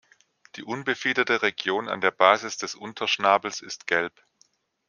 Die unbefiederte Region an der Basis des Unterschnabels ist gelb.